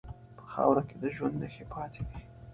په خاوره کې د ژوند نښې پاتې دي.